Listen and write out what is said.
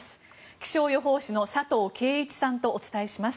気象予報士の佐藤圭一さんとお伝えします。